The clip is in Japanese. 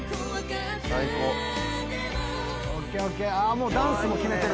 もうダンスも決めてる。